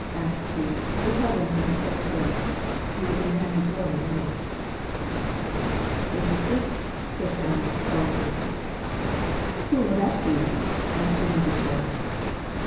asked Pete, recovering from his overthrow. He was a man who bore no malice. "It's a sicht," said Sam'l, solemnly. "Hoo will that be?" asked Jamie Deuchars.